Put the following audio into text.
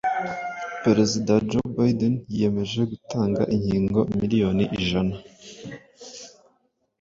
Perezida Joe Bideni yiyemeje gutanga inkingo miliyoni ijana